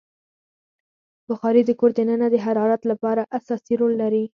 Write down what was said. بخاري د کور دننه د حرارت لپاره اساسي رول لري.